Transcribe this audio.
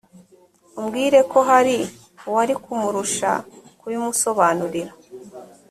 umbwire ko hari uwari kumurusha kubimusobanurira.